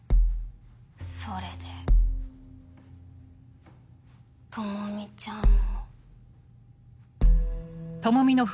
それで朋美ちゃんも。